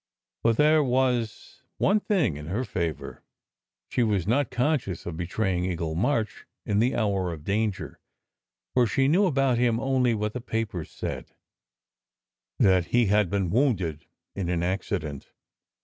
But there was one thing in her favour: she was not conscious of betraying Eagle March in the hour of danger, for she knew about him only what the papers said: that he had been wounded in an accident.